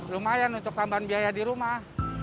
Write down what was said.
lumayan untuk tambahan biaya di rumah